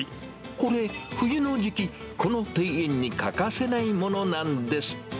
これ、冬の時期、この庭園に欠かせないものなんです。